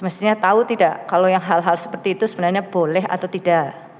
mestinya tahu tidak kalau yang hal hal seperti itu sebenarnya boleh atau tidak